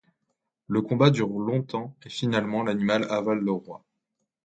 Le combat dure longtemps et finalement l’animal avale le roi.